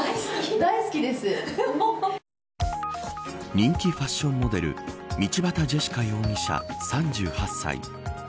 人気ファッションモデル道端ジェシカ容疑者３８歳。